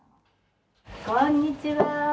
こんにちは。